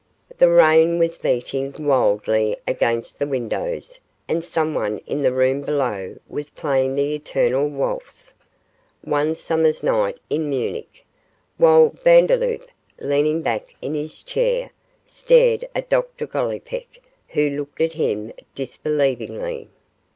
The rain was beating wildly against the windows and someone in the room below was playing the eternal waltz, 'One summer's night in Munich', while Vandeloup, leaning back in his chair, stared at Dr Gollipeck, who looked at him disbelievingly.